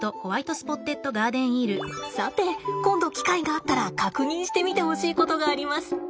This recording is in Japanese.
さて今度機会があったら確認してみてほしいことがあります。